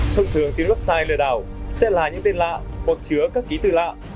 thông thường từ website lừa đảo sẽ là những tên lạ hoặc chứa các ký từ lạ